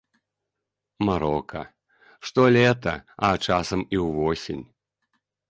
Марока, штолета, а часам і ўвосень.